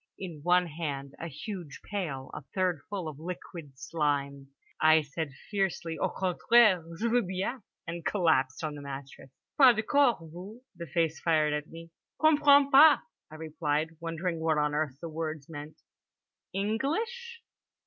In one hand a huge pail a third full of liquid slime. I said fiercely: "Au contraire, je veux bien." And collapsed on the mattress. "Pas de quart, vous?" the face fired at me. "Comprends pas," I replied, wondering what on earth the words meant. "English?"